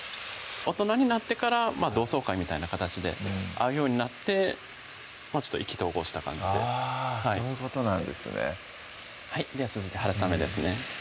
大人になってから同窓会みたいな形で会うようになって意気投合した感じであぁそういうことなんですねでは続いてはるさめですね